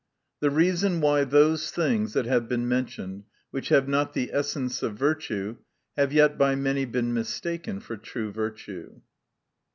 The Reasons why those things that have been mentioned, which have not the Essence of Virtue, have yet by many been .mistaken for True Virtue.